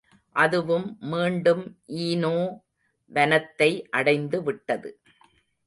அதுவும் மீண்டும் ஈனோ வனத்தை அடைந்துவிட்டது.